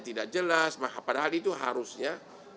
tidak jelas padahal itu harusnya